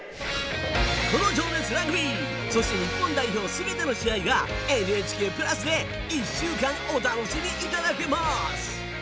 この「情熱ラグビー」そして日本代表すべての試合がＮＨＫプラスで１週間お楽しみいただけます。